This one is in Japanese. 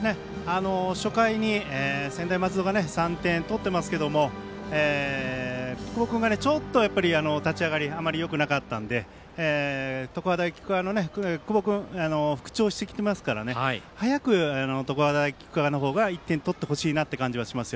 初回に専大松戸が３点取ってますけども、久保君がちょっと立ち上がりあまりよくなかったので常葉大菊川の久保君が復調してきていますから早く常葉大菊川の方が１点取ってほしいなという感じがします。